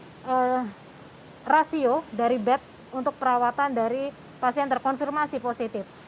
di situ pemerintah provinsi jawa timur juga menambah rasio dari bet untuk perawatan dari pasien terkonfirmasi positif